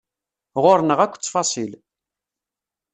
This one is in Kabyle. Ɣur-neɣ akk ttfaṣil.